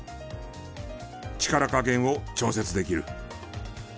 力加減を調節できる。